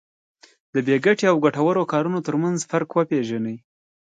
د بې ګټې او ګټورو کارونو ترمنځ فرق وپېژني.